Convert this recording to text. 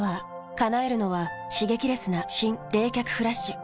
叶えるのは刺激レスな新・冷却フラッシュ。